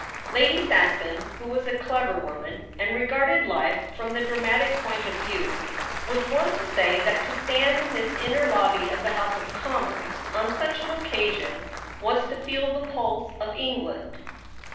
Lady Saxon, who was a clever woman, and regarded life from the dramatic point of view, was wont to say that to stand in this inner lobby of the House of Commons on such an occasion was to feel the pulse of England.